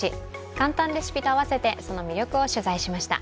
簡単レシピと合わせてその魅力を取材しました。